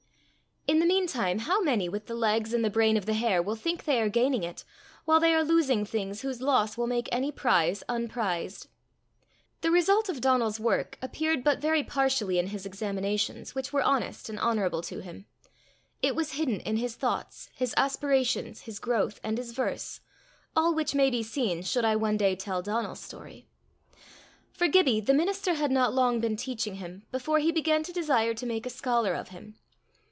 In the mean time how many, with the legs and the brain of the hare, will think they are gaining it, while they are losing things whose loss will make any prize unprized! The result of Donal's work appeared but very partially in his examinations, which were honest and honourable to him; it was hidden in his thoughts, his aspirations, his growth, and his verse all which may be seen should I one day tell Donal's story. For Gibbie, the minister had not been long teaching him, before he began to desire to make a scholar of him.